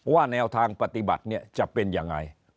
ว่าแนวทางปฏิบัติจะเป็นอย่างไร